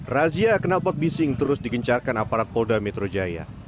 razia kenalpot bising terus digencarkan aparat polda metro jaya